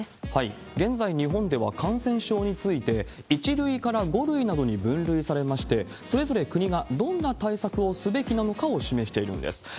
現在、日本では感染症について、１類から５類などに分類されまして、それぞれ国がどんな対策をすべきなのかを示しています。